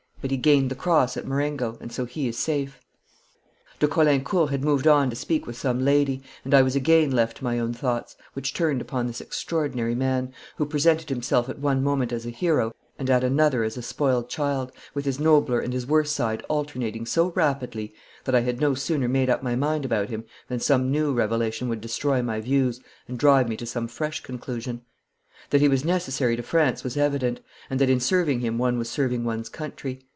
But he gained the cross at Marengo, and so he is safe.' De Caulaincourt had moved on to speak with some lady, and I was again left to my own thoughts, which turned upon this extraordinary man, who presented himself at one moment as a hero and at another as a spoiled child, with his nobler and his worse side alternating so rapidly that I had no sooner made up my mind about him than some new revelation would destroy my views and drive me to some fresh conclusion. That he was necessary to France was evident, and that in serving him one was serving one's country.